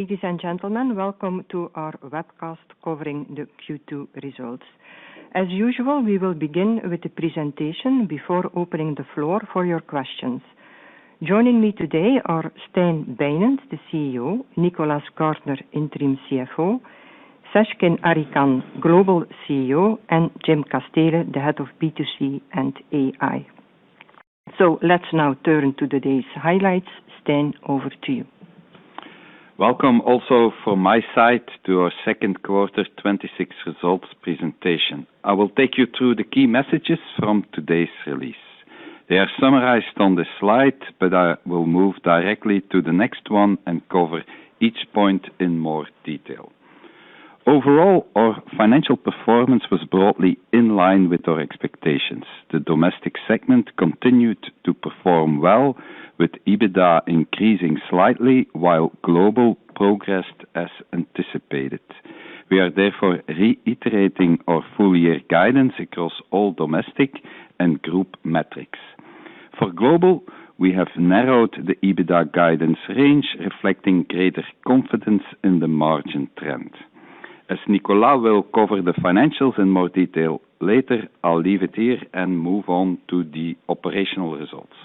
Ladies and gentlemen, welcome to our webcast covering the Q2 results. As usual, we will begin with the presentation before opening the floor for your questions. Joining me today are Stijn Bijnens, the CEO, Nicolas Gaertner, Interim CFO, Seckin Arikan, Global CEO, and Jim Casteele, the Head of B2C and AI. Let's now turn to today's highlights. Stijn, over to you. Welcome also from my side to our second quarter 2026 results presentation. I will take you through the key messages from today's release. They are summarized on this slide, but I will move directly to the next one and cover each point in more detail. Overall, our financial performance was broadly in line with our expectations. The domestic segment continued to perform well, with EBITDA increasing slightly while global progressed as anticipated. We are therefore reiterating our full year guidance across all domestic and group metrics. For global, we have narrowed the EBITDA guidance range, reflecting greater confidence in the margin trend. As Nicolas will cover the financials in more detail later, I will leave it here and move on to the operational results.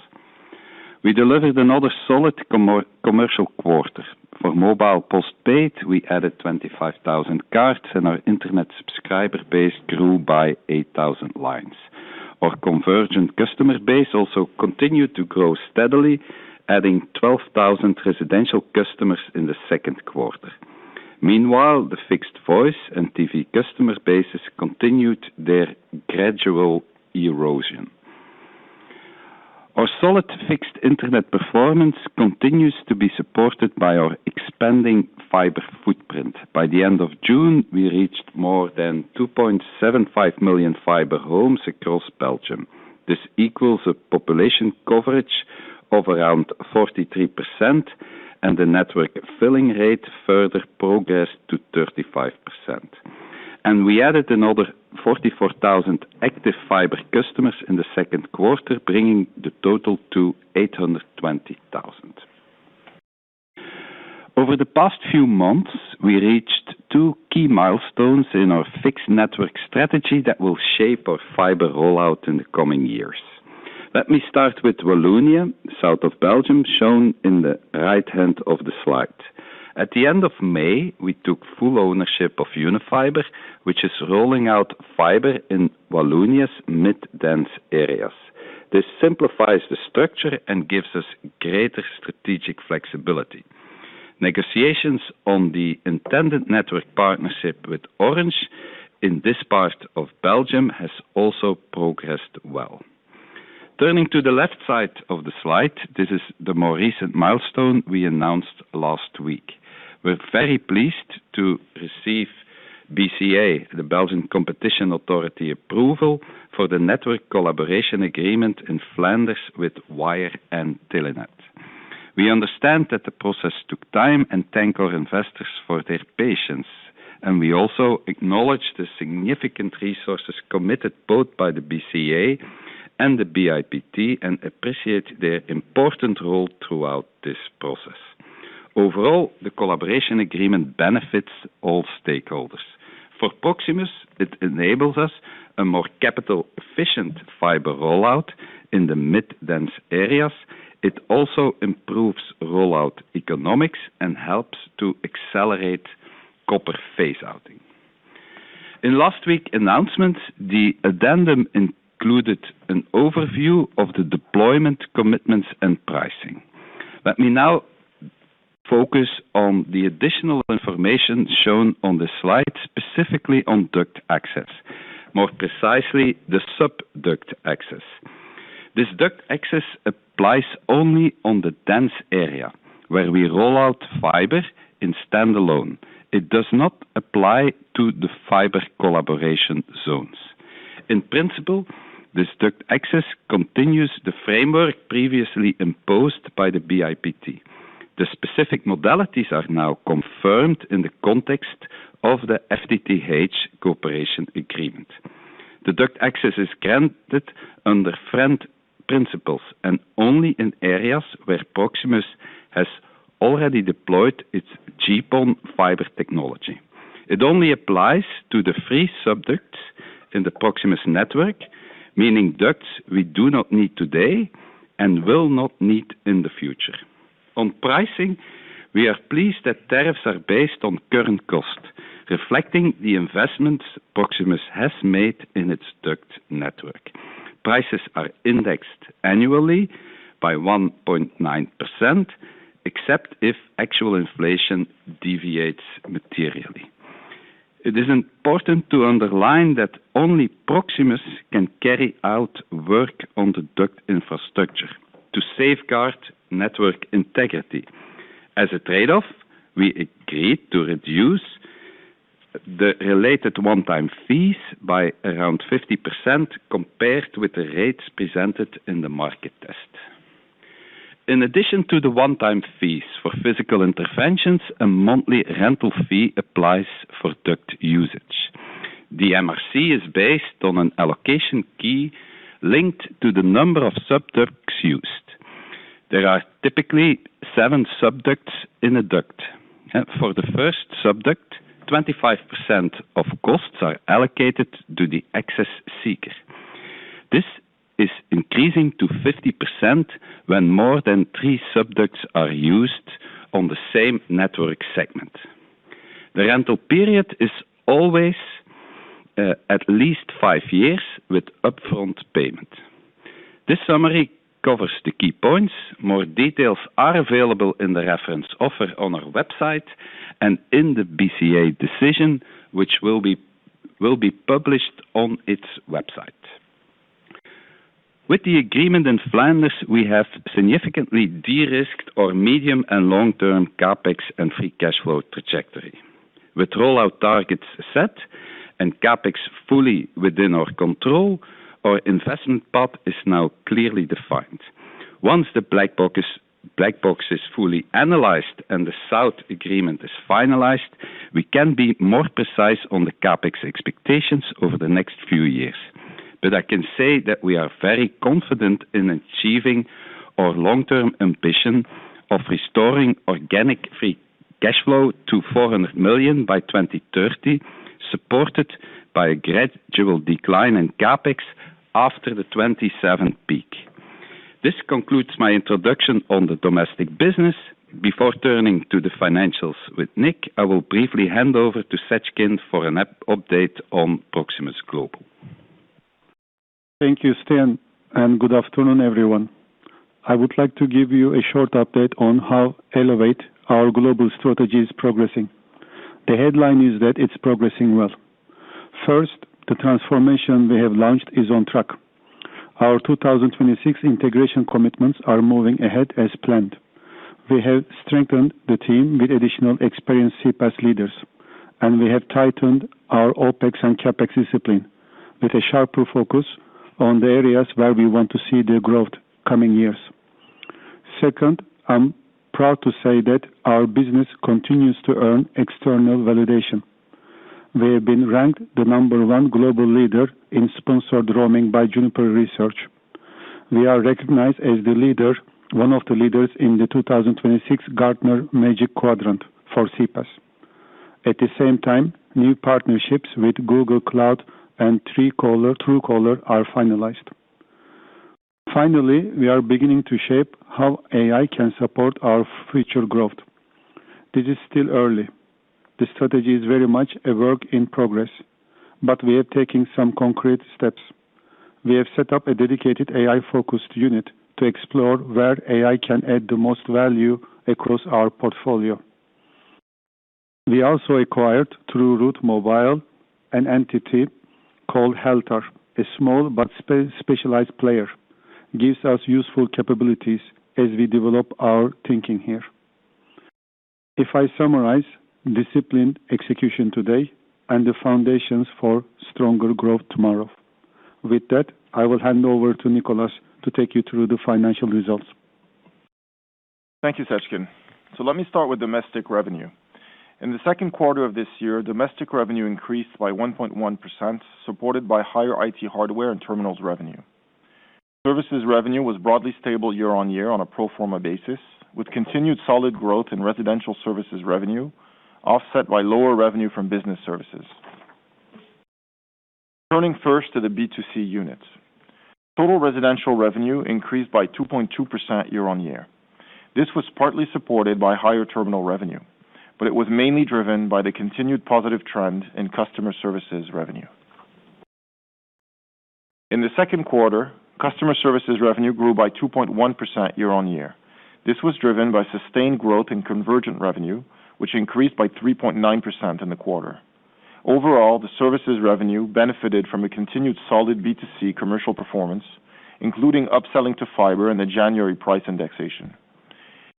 We delivered another solid commercial quarter. For mobile postpaid, we added 25,000 cards and our internet subscriber base grew by 8,000 lines. Our convergent customer base also continued to grow steadily, adding 12,000 residential customers in the second quarter. Meanwhile, the fixed voice and TV customer bases continued their gradual erosion. Our solid fixed internet performance continues to be supported by our expanding fiber footprint. By the end of June, we reached more than 2.75 million fiber homes across Belgium. This equals a population coverage of around 43%, and the network filling rate further progressed to 35%. We added another 44,000 active fiber customers in the second quarter, bringing the total to 820,000. Over the past few months, we reached two key milestones in our fixed network strategy that will shape our fiber rollout in the coming years. Let me start with Wallonia, south of Belgium, shown in the right hand of the slide. At the end of May, we took full ownership of Unifiber, which is rolling out fiber in Wallonia's mid-dense areas. This simplifies the structure and gives us greater strategic flexibility. Negotiations on the intended network partnership with Orange in this part of Belgium has also progressed well. Turning to the left side of the slide, this is the more recent milestone we announced last week. We're very pleased to receive BCA, the Belgian Competition Authority approval for the network collaboration agreement in Flanders with Wyre and Telenet. We understand that the process took time and thank our investors for their patience, and we also acknowledge the significant resources committed both by the BCA and the BIPT and appreciate their important role throughout this process. Overall, the collaboration agreement benefits all stakeholders. For Proximus, it enables us a more capital efficient fiber rollout in the mid-dense areas. It also improves rollout economics and helps to accelerate copper phase-outing. In last week's announcements, the addendum included an overview of the deployment commitments and pricing. Let me now focus on the additional information shown on the slide, specifically on duct access, more precisely, the sub-duct access. This duct access applies only on the dense area where we roll out fiber in standalone. It does not apply to the fiber collaboration zones. In principle, this duct access continues the framework previously imposed by the BIPT. The specific modalities are now confirmed in the context of the FTTH cooperation agreement. The duct access is granted under FRAND principles and only in areas where Proximus has already deployed its GPON fiber technology. It only applies to the free sub-ducts in the Proximus network, meaning ducts we do not need today and will not need in the future. On pricing, we are pleased that tariffs are based on current cost, reflecting the investments Proximus has made in its duct network. Prices are indexed annually by 1.9%, except if actual inflation deviates materially. It is important to underline that only Proximus can carry out work on the duct infrastructure to safeguard network integrity. As a trade-off, we agreed to reduce the related one-time fees by around 50% compared with the rates presented in the market test. In addition to the one-time fees for physical interventions, a monthly rental fee applies for duct usage. The MRC is based on an allocation key linked to the number of sub-ducts used. There are typically seven sub-ducts in a duct. For the first sub-duct, 25% of costs are allocated to the access seekers. This is increasing to 50% when more than three sub-ducts are used on the same network segment. The rental period is always at least five years with upfront payment. This summary covers the key points. More details are available in the reference offer on our website and in the BCA decision, which will be published on its website. With the agreement in Flanders, we have significantly de-risked our medium and long-term CapEx and free cash flow trajectory. With rollout targets set and CapEx fully within our control, our investment path is now clearly defined. Once the black box is fully analyzed and the South agreement is finalized, we can be more precise on the CapEx expectations over the next few years. I can say that we are very confident in achieving our long-term ambition of restoring organic free cash flow to 400 million by 2030, supported by a gradual decline in CapEx after the 2027 peak. This concludes my introduction on the domestic business. Before turning to the financials with Nick, I will briefly hand over to Seckin for an update on Proximus Global. Thank you, Stijn, and good afternoon, everyone. I would like to give you a short update on how Elevate, our global strategy, is progressing. The headline is that it is progressing well. First, the transformation we have launched is on track. Our 2026 integration commitments are moving ahead as planned. We have strengthened the team with additional experienced CPaaS leaders, and we have tightened our OpEx and CapEx discipline with a sharper focus on the areas where we want to see the growth coming years. Second, I am proud to say that our business continues to earn external validation. We have been ranked the number one Global Leader in Sponsored Roaming by Juniper Research. We are recognized as one of the leaders in the 2026 Gartner Magic Quadrant for CPaaS. At the same time, new partnerships with Google Cloud and Truecaller are finalized. Finally, we are beginning to shape how AI can support our future growth. This is still early. The strategy is very much a work in progress, but we are taking some concrete steps. We have set up a dedicated AI-focused unit to explore where AI can add the most value across our portfolio. We also acquired, through Route Mobile, an entity called Heltar. A small but specialized player gives us useful capabilities as we develop our thinking here. If I summarize, disciplined execution today and the foundations for stronger growth tomorrow. With that, I will hand over to Nicolas to take you through the financial results. Thank you, Seckin. Let me start with domestic revenue. In the second quarter of this year, domestic revenue increased by 1.1%, supported by higher IT hardware and terminals revenue. Services revenue was broadly stable year-on-year on a pro forma basis, with continued solid growth in residential services revenue offset by lower revenue from business services. Turning first to the B2C unit. Total residential revenue increased by 2.2% year-on-year. This was partly supported by higher terminal revenue, but it was mainly driven by the continued positive trend in customer services revenue. In the second quarter, customer services revenue grew by 2.1% year-on-year. This was driven by sustained growth in convergent revenue, which increased by 3.9% in the quarter. Overall, the services revenue benefited from a continued solid B2C commercial performance, including upselling to fiber and the January price indexation.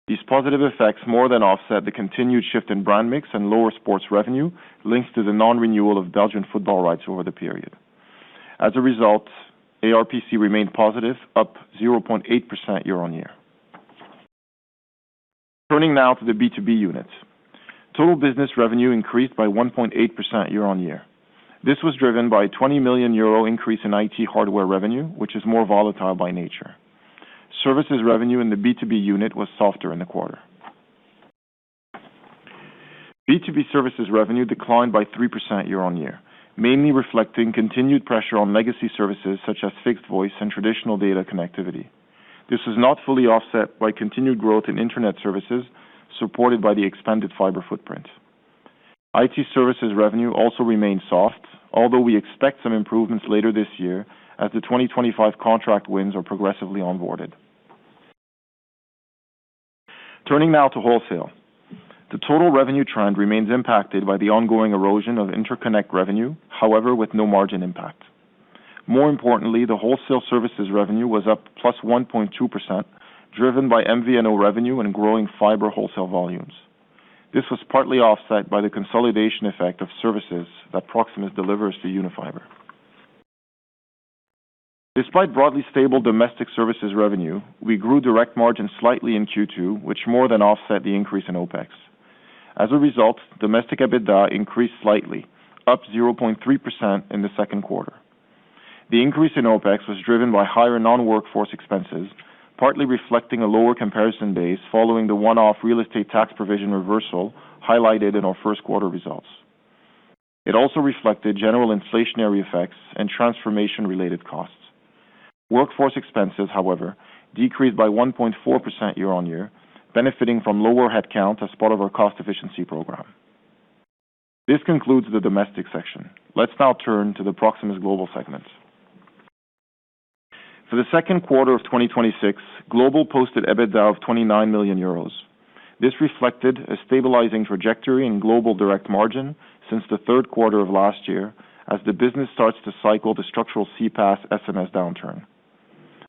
These positive effects more than offset the continued shift in brand mix and lower sports revenue linked to the non-renewal of Belgian football rights over the period. As a result, ARPC remained positive, up 0.8% year-on-year. Turning now to the B2B unit. Total business revenue increased by 1.8% year-on-year. This was driven by a 20 million euro increase in IT hardware revenue, which is more volatile by nature. Services revenue in the B2B unit was softer in the quarter. B2B services revenue declined by 3% year-on-year, mainly reflecting continued pressure on legacy services such as fixed voice and traditional data connectivity. This was not fully offset by continued growth in internet services supported by the expanded fiber footprint. IT services revenue also remained soft, although we expect some improvements later this year as the 2025 contract wins are progressively onboarded. Turning now to wholesale. The total revenue trend remains impacted by the ongoing erosion of interconnect revenue, however, with no margin impact. More importantly, the wholesale services revenue was up plus 1.2%, driven by MVNO revenue and growing fiber wholesale volumes. This was partly offset by the consolidation effect of services that Proximus delivers to Unifiber. Despite broadly stable domestic services revenue, we grew direct margin slightly in Q2, which more than offset the increase in OpEx. As a result, domestic EBITDA increased slightly, up 0.3% in the second quarter. The increase in OpEx was driven by higher non-workforce expenses, partly reflecting a lower comparison base following the one-off real estate tax provision reversal highlighted in our first quarter results. It also reflected general inflationary effects and transformation-related costs. Workforce expenses, however, decreased by 1.4% year-over-year, benefiting from lower headcounts as part of our cost efficiency program. This concludes the domestic section. Let's now turn to the Proximus Global segment. For the second quarter of 2026, global posted EBITDA of 29 million euros. This reflected a stabilizing trajectory in global direct margin since the third quarter of last year as the business starts to cycle the structural CPaaS SMS downturn.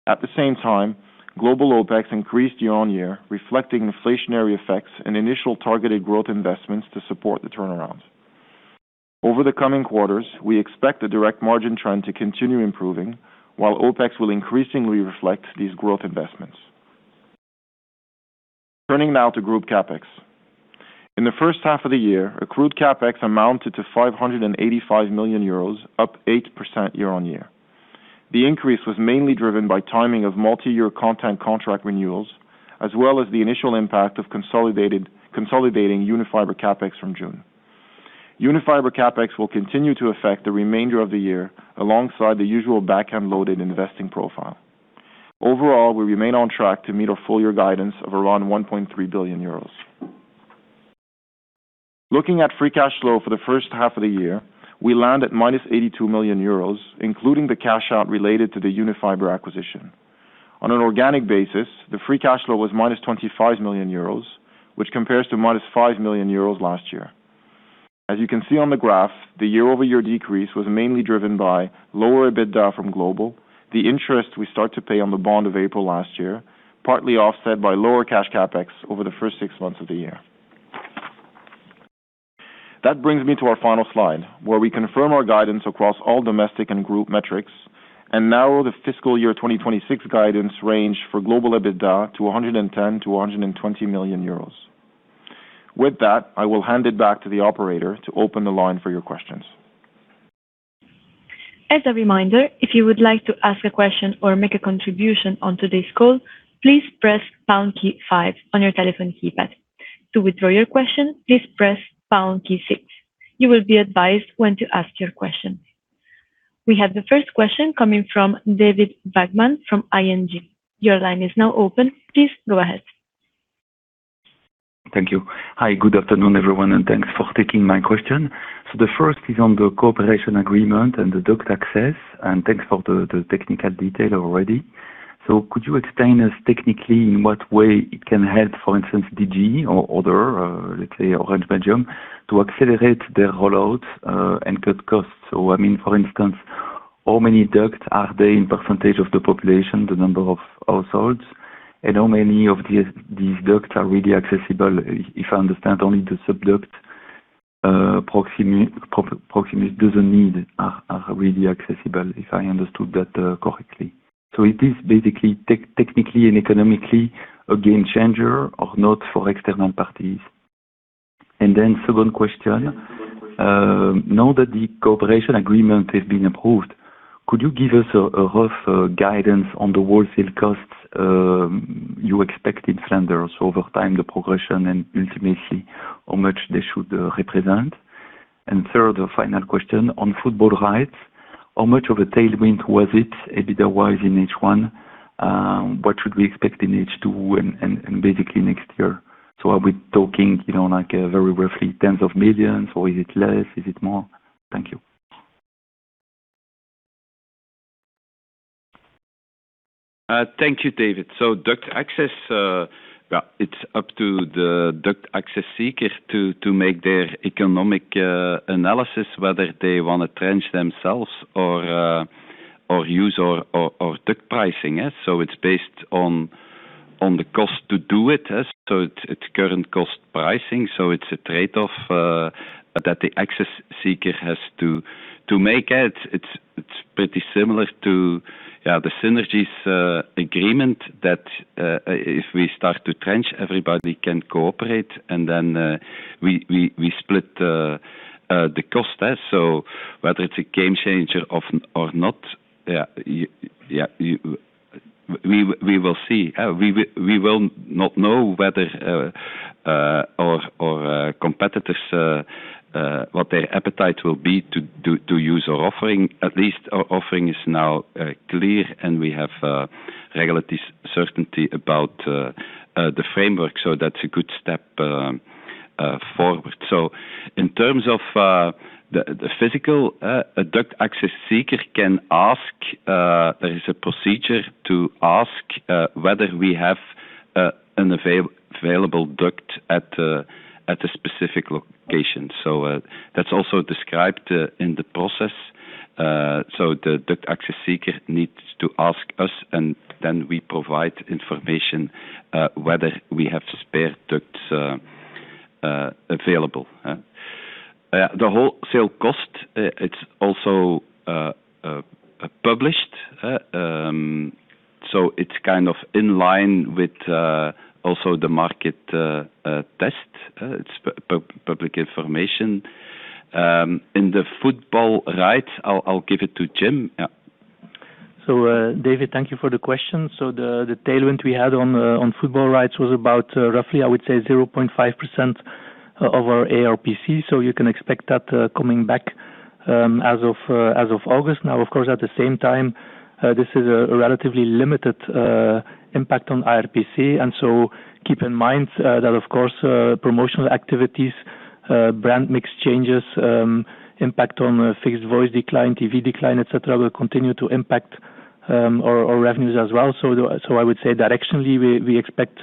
At the same time, global OpEx increased year-over-year, reflecting inflationary effects and initial targeted growth investments to support the turnaround. Over the coming quarters, we expect the direct margin trend to continue improving while OpEx will increasingly reflect these growth investments. Turning now to group CapEx. In the first half of the year, accrued CapEx amounted to 585 million euros, up 8% year-over-year. The increase was mainly driven by timing of multi-year content contract renewals, as well as the initial impact of consolidating Unifiber CapEx from June. Unifiber CapEx will continue to affect the remainder of the year, alongside the usual back-end loaded investing profile. Overall, we remain on track to meet our full-year guidance of around 1.3 billion euros. Looking at free cash flow for the first half of the year, we land at -82 million euros, including the cash out related to the Unifiber acquisition. On an organic basis, the free cash flow was -25 million euros, which compares to -5 million euros last year. As you can see on the graph, the year-over-year decrease was mainly driven by lower EBITDA from Global, the interest we start to pay on the bond of April last year, partly offset by lower cash CapEx over the first six months of the year. That brings me to our final slide, where we confirm our guidance across all domestic and group metrics and narrow the fiscal year 2026 guidance range for global EBITDA to 110 million-120 million euros. With that, I will hand it back to the operator to open the line for your questions. As a reminder, if you would like to ask a question or make a contribution on today's call, please press pound key five on your telephone keypad. To withdraw your question, please press pound key six. You will be advised when to ask your question. We have the first question coming from David Vagman from ING. Your line is now open. Please go ahead. Thank you. Hi. Good afternoon, everyone, and thanks for taking my question. The first is on the cooperation agreement and the duct access. Thanks for the technical detail already. Could you explain us technically in what way it can help, for instance, Digi or other, let's say Orange Belgium, to accelerate their rollouts and cut costs? For instance, how many ducts are there in percentage of the population, the number of households, and how many of these ducts are really accessible? If I understand only the sub-duct Proximus doesn't need are really accessible, if I understood that correctly. It is basically technically and economically a game changer or not for external parties? Second question. Now that the cooperation agreement has been approved, could you give us a rough guidance on the wholesale costs you expect in Flanders over time, the progression, and ultimately how much they should represent? Third or final question. On football rights, how much of a tailwind was it EBITDA-wise in H1? What should we expect in H2 and basically next year? Are we talking very roughly tens of millions or is it less? Is it more? Thank you. Thank you, David. Duct access. It's up to the duct access seeker to make their economic analysis whether they want to trench themselves or use our duct pricing. It's based on the cost to do it. It's current cost pricing. It's a trade-off that the access seeker has to make. It's pretty similar to the synergies agreement that if we start to trench, everybody can cooperate and then we split the cost. Whether it's a game changer or not, we will see. We will not know whether our competitors, what their appetite will be to use our offering. At least our offering is now clear, and we have regulatory certainty about the framework. That's a good step forward. In terms of the physical duct access seeker can ask. There is a procedure to ask whether we have an available duct at a specific location. That's also described in the process. The duct access seeker needs to ask us, and then we provide information whether we have spare ducts available. The wholesale cost, it's also published. It's in line with also the market test. It's public information. In the football rights, I'll give it to Jim. Yeah. David, thank you for the question. The tailwind we had on football rights was about roughly, I would say, 0.5% of our ARPC. You can expect that coming back as of August. Now, of course, at the same time, this is a relatively limited impact on ARPC, keep in mind that of course, promotional activities, brand mix changes, impact on fixed voice decline, TV decline, et cetera, will continue to impact our revenues as well. I would say directionally, we expect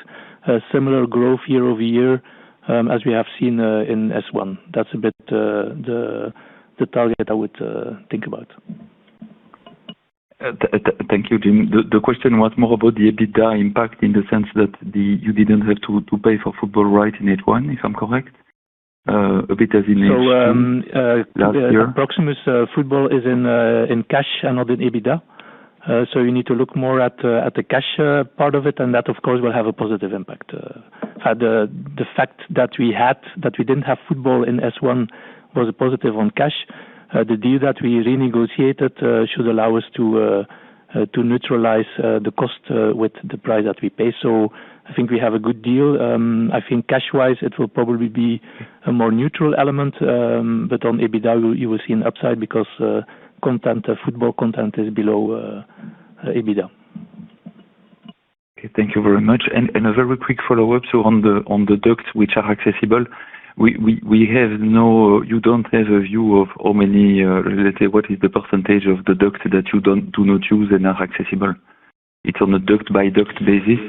a similar growth year-over-year, as we have seen in S1. That's a bit the target I would think about. Thank you, Jim. The question was more about the EBITDA impact in the sense that you didn't have to pay for football right in H1, if I'm correct. A bit as in H2 last year. Proximus football is in cash and not in EBITDA. You need to look more at the cash part of it, and that, of course, will have a positive impact. The fact that we didn't have football in S1 was a positive on cash. The deal that we renegotiated should allow us to neutralize the cost with the price that we pay. I think we have a good deal. I think cash-wise, it will probably be a more neutral element. On EBITDA, you will see an upside because football content is below EBITDA. Okay. Thank you very much. A very quick follow-up. On the ducts which are accessible, you don't have a view of how many relative, what is the percentage of the ducts that you do not use and are accessible? It's on a duct-by-duct basis?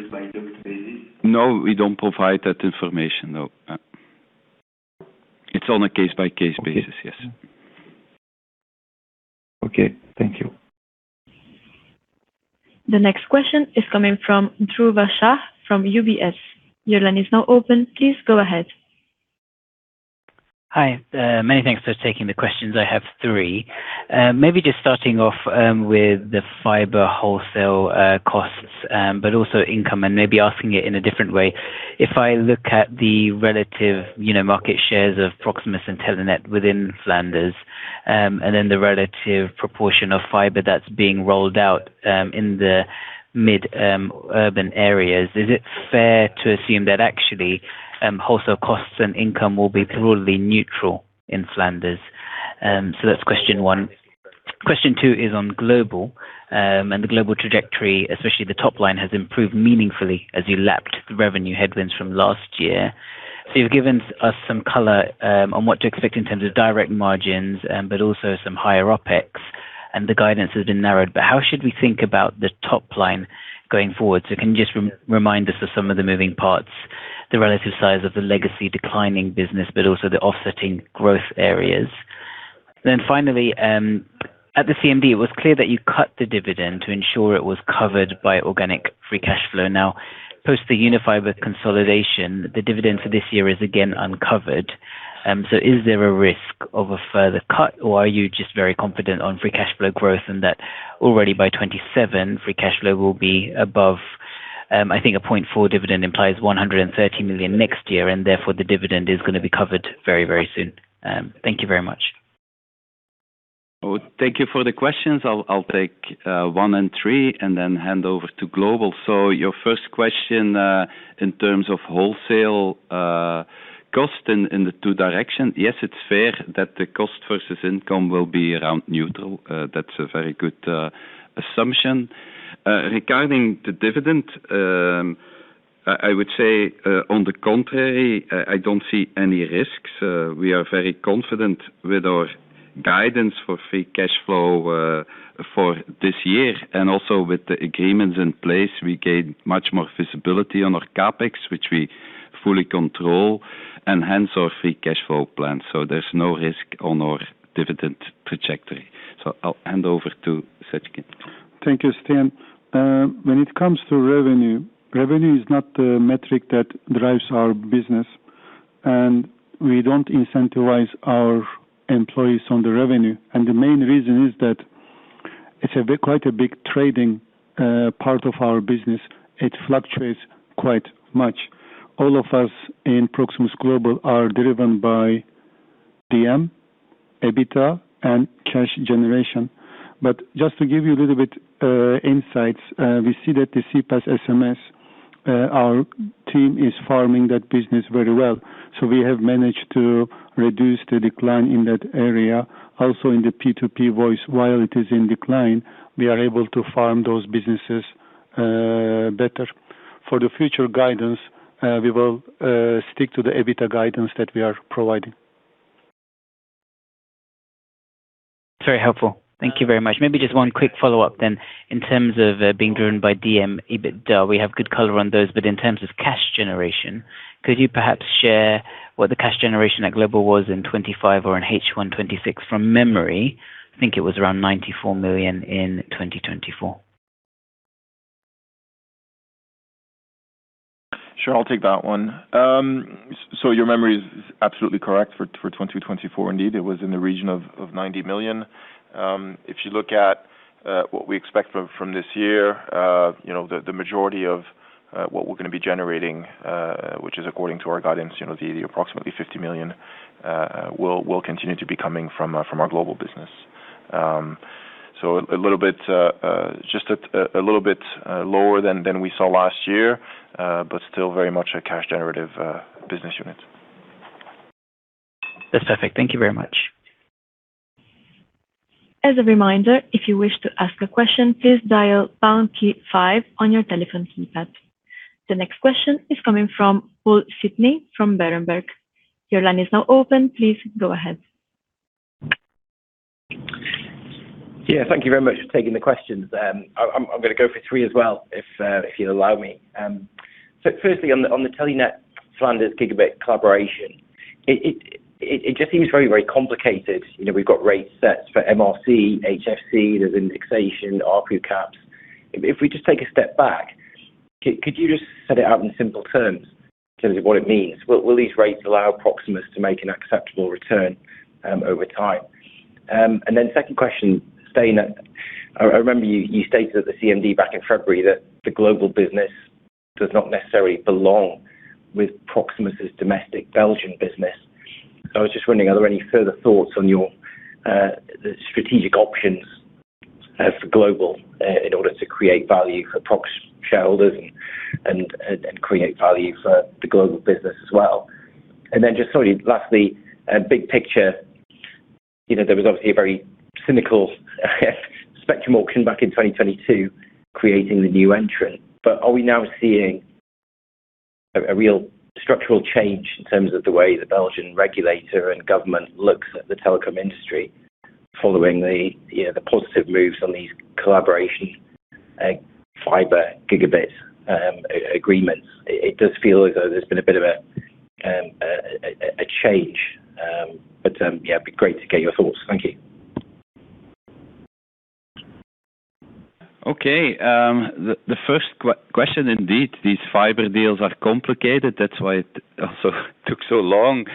No, we don't provide that information, no. It's on a case-by-case basis. Yes. Okay. Thank you. The next question is coming from Dhruva Shah from UBS. Your line is now open. Please go ahead. Hi. Many thanks for taking the questions. I have three. Maybe just starting off with the fiber wholesale costs, but also income, and maybe asking it in a different way. If I look at the relative market shares of Proximus and Telenet within Flanders, and then the relative proportion of fiber that's being rolled out in the mid-urban areas, is it fair to assume that actually, wholesale costs and income will be broadly neutral in Flanders? That's question one. Question two is on global, and the global trajectory, especially the top line, has improved meaningfully as you lapped the revenue headwinds from last year. You've given us some color on what to expect in terms of direct margins, but also some higher OpEx, and the guidance has been narrowed. How should we think about the top line going forward? Can you just remind us of some of the moving parts, the relative size of the legacy declining business, but also the offsetting growth areas? Finally, at the CMD, it was clear that you cut the dividend to ensure it was covered by organic free cash flow. Now, post the Unifiber consolidation, the dividend for this year is again uncovered. Is there a risk of a further cut or are you just very confident on free cash flow growth and that already by 2027, free cash flow will be above, I think a 0.4 dividend implies 130 million next year, and therefore the dividend is going to be covered very soon. Thank you very much. Thank you for the questions. I'll take one and three and then hand over to global. Your first question, in terms of wholesale cost in the two direction. Yes, it's fair that the cost versus income will be around neutral. That's a very good assumption. Regarding the dividend, I would say, on the contrary, I don't see any risks. We are very confident with our guidance for free cash flow for this year. Also with the agreements in place, we gain much more visibility on our CapEx, which we fully control, and hence our free cash flow plan. There's no risk on our dividend trajectory. I'll hand over to Seckin. Thank you, Stijn. When it comes to revenue is not the metric that drives our business. We don't incentivize our employees on the revenue. The main reason is that it's quite a big trading part of our business. It fluctuates quite much. All of us in Proximus Global are driven by DM, EBITDA, and cash generation. Just to give you a little bit insights, we see that the CPaaS SMS, our team is farming that business very well. We have managed to reduce the decline in that area. Also in the P2P voice, while it is in decline, we are able to farm those businesses better. For the future guidance, we will stick to the EBITDA guidance that we are providing. Very helpful. Thank you very much. Just one quick follow-up then. In terms of being driven by DM, EBITDA, we have good color on those, but in terms of cash generation, could you perhaps share what the cash generation at Global was in 2025 or in H1 2026 from memory? I think it was around 94 million in 2024. I'll take that one. Your memory is absolutely correct for 2024. Indeed, it was in the region of 90 million. If you look at what we expect from this year, the majority of what we're going to be generating, which is according to our guidance, the approximately 50 million will continue to be coming from our Global business. Just a little bit lower than we saw last year, but still very much a cash generative business unit. That's perfect. Thank you very much. As a reminder, if you wish to ask a question, please dial pound key five on your telephone keypad. The next question is coming from Paul Sidney from Berenberg. Your line is now open. Please go ahead. Thank you very much for taking the questions. I am going to go for three as well if you will allow me. Firstly, on the Telenet Flanders gigabit collaboration. It just seems very, very complicated. We have got rates set for MRC, HFC, there is indexation, R2 caps. If we just take a step back, could you just set it out in simple terms in terms of what it means? Will these rates allow Proximus to make an acceptable return over time? Second question. I remember you stated at the CMD back in February that the Global business does not necessarily belong with Proximus' domestic Belgian business. I was just wondering, are there any further thoughts on your strategic options for Global in order to create value for Proximus shareholders and create value for the Global business as well? Lastly, big picture. There was obviously a very cynical spectrum auction back in 2022 creating the new entrant. Are we now seeing a real structural change in terms of the way the Belgian regulator and government looks at the telecom industry following the positive moves on these collaboration fiber gigabit agreements? It does feel as though there has been a bit of a change. It would be great to get your thoughts. Thank you. Okay. The first question, indeed, these fiber deals are complicated. That is why it also took so long,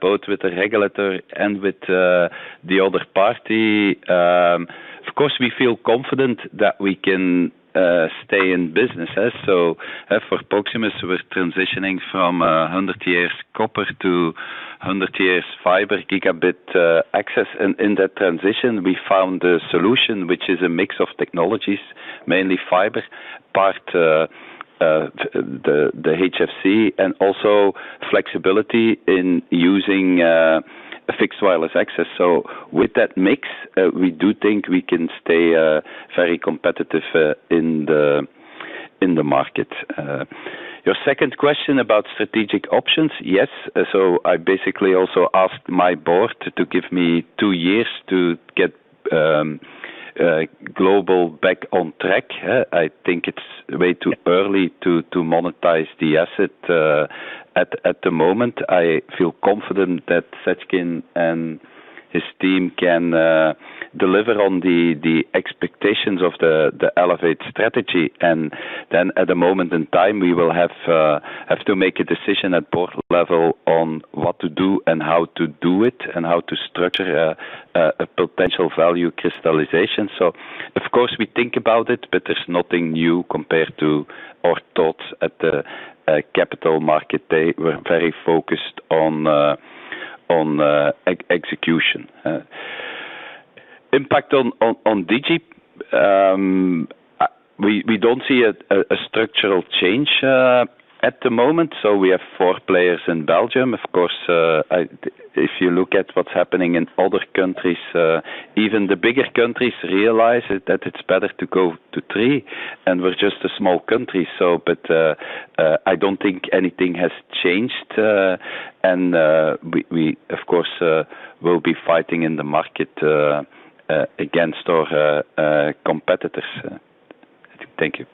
both with the regulator and with the other party. Of course, we feel confident that we can stay in business. For Proximus, we are transitioning from 100 years copper to 100 years fiber gigabit access. In that transition, we found a solution, which is a mix of technologies, mainly fiber, but the HFC and also flexibility in using fixed wireless access. With that mix, we do think we can stay very competitive in the market. Your second question about strategic options. Yes. I basically also asked my board to give me two years to get Global back on track. I think it is way too early to monetize the asset. At the moment, I feel confident that Seckin and his team can deliver on the expectations of the Elevate strategy. At a moment in time, we will have to make a decision at board level on what to do and how to do it, and how to structure a potential value crystallization. Of course, we think about it, but there's nothing new compared to our thoughts at the capital market day. We're very focused on execution. Impact on Digi. We don't see a structural change at the moment. We have four players in Belgium. Of course, if you look at what's happening in other countries, even the bigger countries realize that it's better to go to three, and we're just a small country. I don't think anything has changed. We, of course, will be fighting in the market against our competitors. Thank you.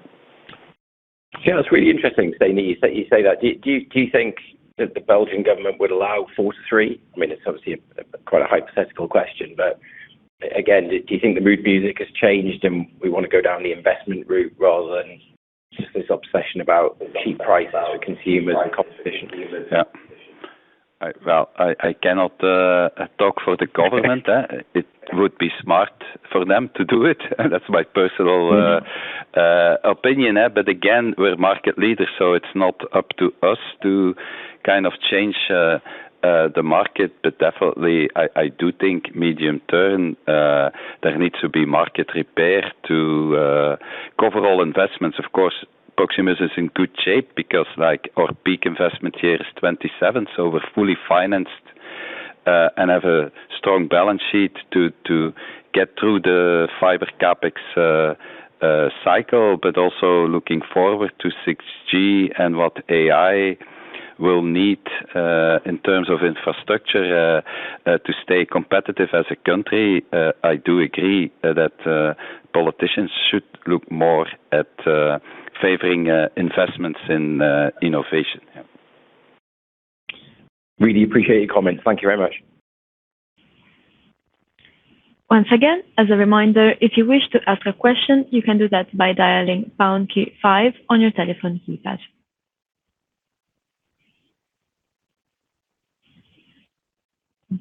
Yeah, that's really interesting, Stijn, that you say that. Do you think that the Belgian government would allow four to three? It's obviously quite a hypothetical question, but again, do you think the mood music has changed and we want to go down the investment route rather than just this obsession about cheap prices for consumers and competition? Yeah. Well, I cannot talk for the government. It would be smart for them to do it. That's my personal opinion. Again, we're market leaders, so it's not up to us to change the market. Definitely, I do think medium-term, there needs to be market repair to cover all investments. Of course, Proximus is in good shape because our peak investment year is 2027, so we're fully financed and have a strong balance sheet to get through the fiber CapEx cycle. Also looking forward to 6G and what AI will need in terms of infrastructure to stay competitive as a country. I do agree that politicians should look more at favoring investments in innovation. Yeah. Really appreciate your comments. Thank you very much. Once again, as a reminder, if you wish to ask a question, you can do that by dialing pound key five on your telephone keypad.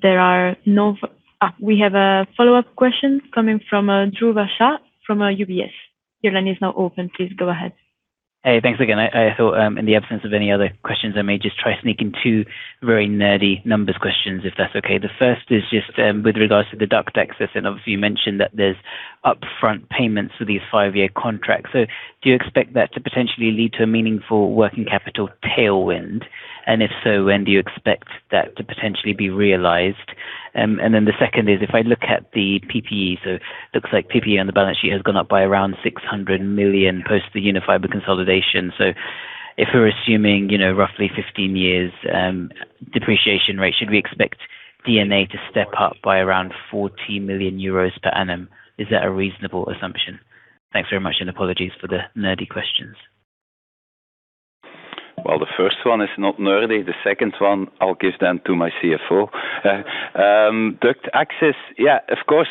There are no. We have a follow-up question coming from Dhruva Shah from UBS. Your line is now open. Please go ahead. Hey, thanks again. I thought in the absence of any other questions, I may just try sneaking two very nerdy numbers questions, if that's okay. The first is just with regards to the duct access, obviously you mentioned that there's upfront payments for these five-year contracts. Do you expect that to potentially lead to a meaningful working capital tailwind? If so, when do you expect that to potentially be realized? The second is, if I look at the PPE, looks like PPE on the balance sheet has gone up by around 600 million post the Unifiber consolidation. If we're assuming roughly 15 years' depreciation rate, should we expect D&A to step up by around 40 million euros per annum? Is that a reasonable assumption? Thanks very much, apologies for the nerdy questions. Well, the first one is not nerdy. The second one I'll give them to my CFO. Duct access, yeah, of course,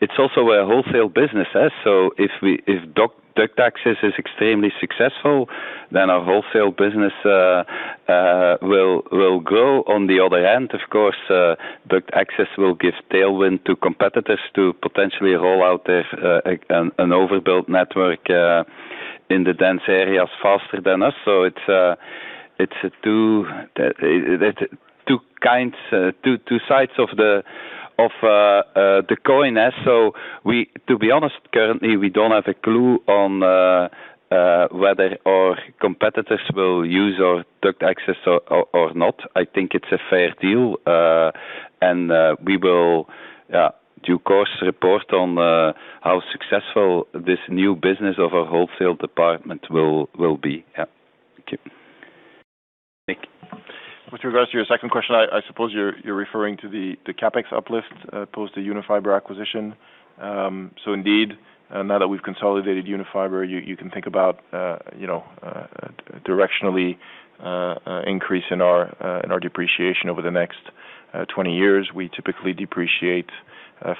it's also a wholesale business. If duct access is extremely successful, then our wholesale business will grow. On the other hand, of course, duct access will give tailwind to competitors to potentially roll out an overbuilt network in the dense areas faster than us. It's two sides of the coin. To be honest, currently, we don't have a clue on whether our competitors will use our duct access or not. I think it's a fair deal. We will due course report on how successful this new business of a wholesale department will be. Yeah. Thank you. Nick. With regards to your second question, I suppose you're referring to the CapEx uplift post the Unifiber acquisition. Indeed, now that we've consolidated Unifiber, you can think about directionally increase in our depreciation over the next 20 years. We typically depreciate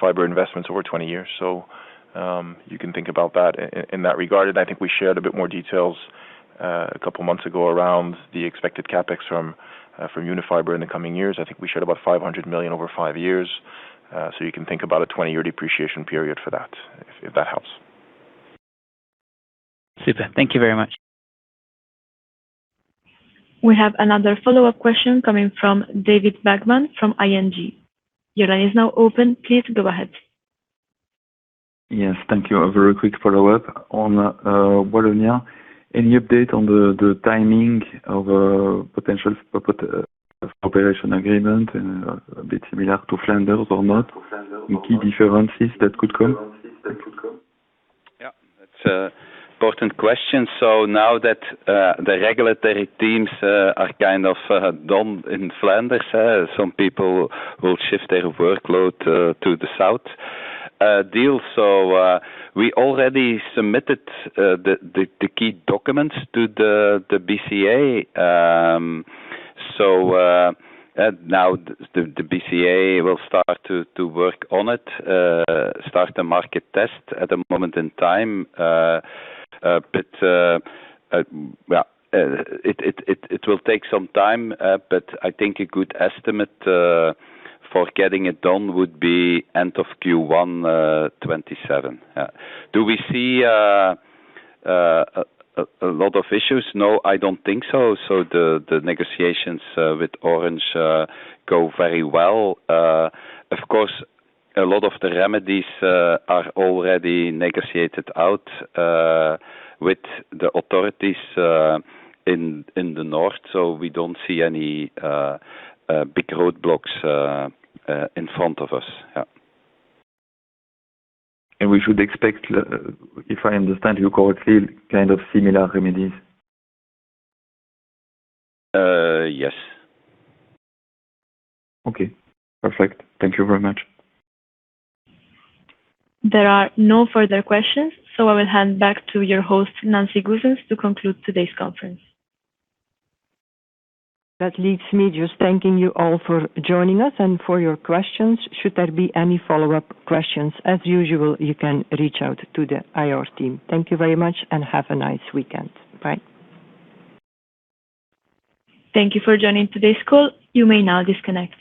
fiber investments over 20 years. You can think about that. In that regard, I think we shared a bit more details a couple of months ago around the expected CapEx from Unifiber in the coming years. I think we shared about 500 million over five years. You can think about a 20-year depreciation period for that, if that helps. Super. Thank you very much. We have another follow-up question coming from David Vagman from ING. Your line is now open. Please go ahead. Yes. Thank you. A very quick follow-up on Wallonia. Any update on the timing of a potential operation agreement, a bit similar to Flanders or not? Any key differences that could come? Yeah. That's an important question. Now that the regulatory teams are kind of done in Flanders, some people will shift their workload to the south deal. We already submitted the key documents to the BCA. Now the BCA will start to work on it. Start the market test at a moment in time. It will take some time. I think a good estimate for getting it done would be end of Q1 2027. Do we see a lot of issues? No, I don't think so. The negotiations with Orange go very well. Of course, a lot of the remedies are already negotiated out with the authorities in the north, so we don't see any big roadblocks in front of us. We should expect, if I understand you correctly, kind of similar remedies? Yes. Okay. Perfect. Thank you very much. There are no further questions, I will hand back to your host, Nancy Goossens, to conclude today's conference. That leaves me just thanking you all for joining us and for your questions. Should there be any follow-up questions, as usual, you can reach out to the IR team. Thank you very much and have a nice weekend. Bye. Thank you for joining today's call. You may now disconnect.